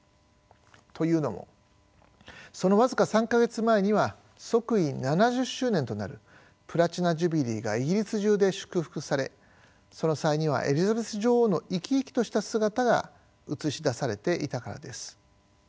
というのもその僅か３か月前には即位７０周年となるプラチナ・ジュビリーがイギリス中で祝福されその際にはエリザベス女王の生き生きとした姿が映し出されていたからです。